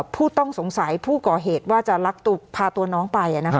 ผู้ต้องสงสัยผู้ก่อเหตุว่าจะลักพาตัวน้องไป